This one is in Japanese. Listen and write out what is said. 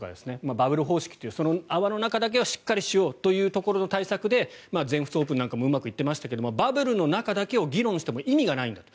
バブル方式というその泡の中だけはしっかりしようという対策の中で全仏オープンなんかもうまくいっていましたがバブルの中だけを議論しても意味がないんだと。